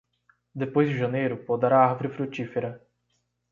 Depois de janeiro, podar a árvore frutífera.